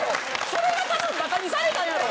それが多分バカにされたんやろう。